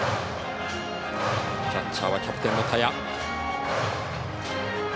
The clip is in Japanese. キャッチャーはキャプテンの田屋。